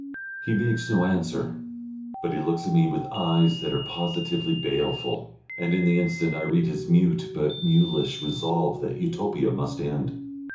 He makes no answer, but he looks at me with eyes that are positively baleful, and in the instant I read his mute but mulish resolve that Utopia must end.